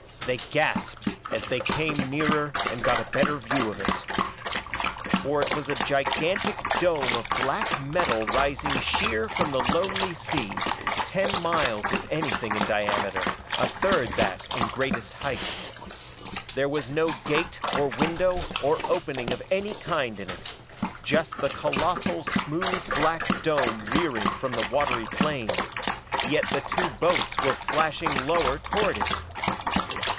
They gasped as they came nearer and got a better view of it. For it was a gigantic dome of black metal rising sheer from the lonely sea, ten miles if anything in diameter, a third that in greatest height. There was no gate or window or opening of any kind in it. Just the colossal, smooth black dome rearing from the watery plain. Yet the two boats were flashing lower toward it.